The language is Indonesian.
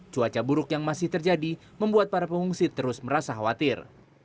cuaca buruk yang masih terjadi membuat para pengungsi terus merasa khawatir